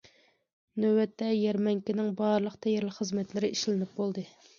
نۆۋەتتە يەرمەنكىنىڭ بارلىق تەييارلىق خىزمەتلىرى ئىشلىنىپ بولدى.